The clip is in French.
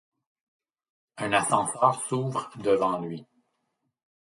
Un ascenseur s'ouvre devant lui.